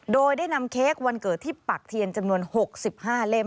โดยได้นำเค้กวันเกิดที่ปักเทียนจำนวน๖๕เล่ม